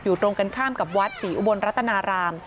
ตรงกันข้ามกับวัดศรีอุบลรัตนาราม